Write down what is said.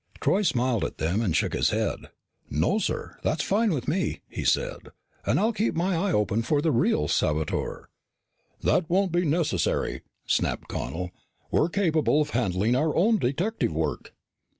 Troy smiled at them and shook his head. "No, sir. That's fine with me," he said. "And I'll keep my eye open for the real saboteur " "That won't be necessary!" snapped Connel. "We're capable of handling our own detective work."